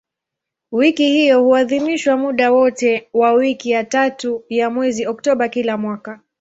Wiki hiyo huadhimishwa muda wote wa wiki ya tatu ya mwezi Oktoba kila mwaka.